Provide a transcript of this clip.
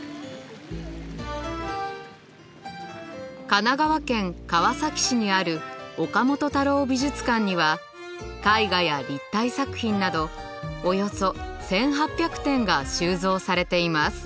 神奈川県川崎市にある岡本太郎美術館には絵画や立体作品などおよそ１，８００点が収蔵されています。